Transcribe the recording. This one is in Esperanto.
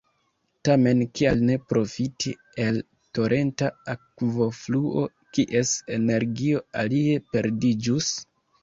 Tamen kial ne profiti el torenta akvofluo kies energio alie perdiĝus?